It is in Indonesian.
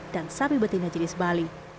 dan sapi betina jenis bali